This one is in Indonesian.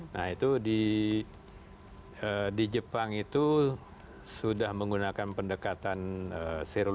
nah itu di jepang itu sudah menggunakan pendekatan serum